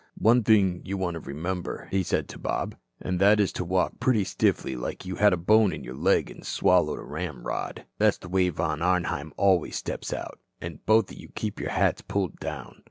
"One thing you want to remember," he said to Bob, "and that is to walk pretty stiffly like you had a bone in your leg an' swallowed a ramrod. That's the way Von Arnheim always steps out, An' both of you keep your hats pulled down."